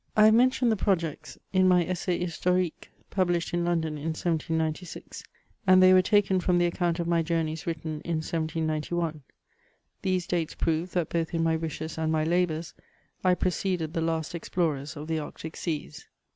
I have mentioned the projects in my '* Essai Historique^^ pub* lished in London in 1796, and they were taken from the account of my journeys wiritten in 1791. These dates prove that both in my wishes and my labours, I preceded the last explorers of the Arctic Seas.